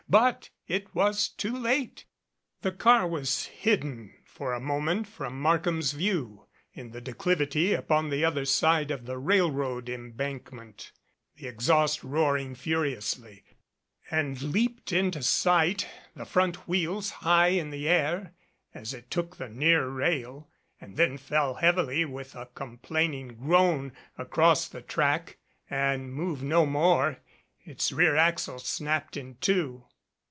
But it was too late. The car was hidden for a moment from Markham's view in the declivity upon the other side of the railroad embankment, the exhaust roar ing furiously, and leaped into sight, the front wheels high in the air as it took the near rail and then fell heavily with a complaining groan across the track and moved no more, its rear axle snapped in two.